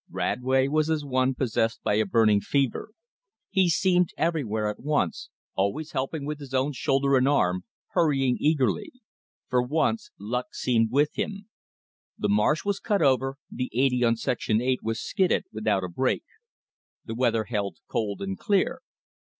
Radway was as one possessed by a burning fever. He seemed everywhere at once, always helping with his own shoulder and arm, hurrying eagerly. For once luck seemed with him. The marsh was cut over; the "eighty" on section eight was skidded without a break. The weather held cold and clear.